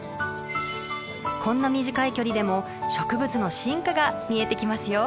こんな短い距離でも植物の進化が見えてきますよ。